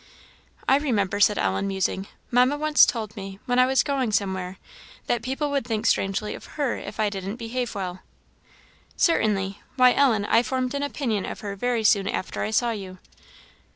"I remember," said Ellen, musing, "Mamma once told me, when I was going somewhere, that people would think strangely of her if I didn't behave well." "Certainly. Why, Ellen, I formed an opinion of her very soon after I saw you."